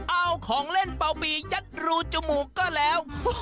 เอาของเล่นเป่าปียัดรูจมูกก็แล้ว